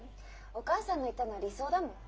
お母さんの言ったのは理想だもん。